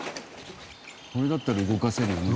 これだったら動かせるよね。